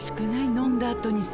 飲んだあとにさ